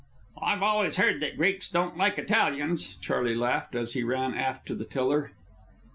"I've always heard that Greeks don't like Italians," Charley laughed, as he ran aft to the tiller.